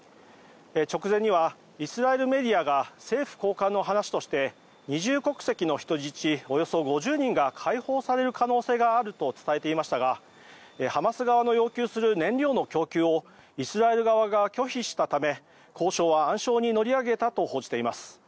直前にはイスラエルメディアが政府高官の話として二重国籍の人質およそ５０人が解放される可能性があると伝えていましたがハマス側の要求する燃料の供給をイスラエル側が拒否したため交渉は暗礁に乗り上げたと報じています。